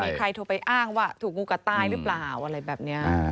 มีใครโทรไปอ้างว่าถูกงูกัดตายหรือเปล่าอะไรแบบนี้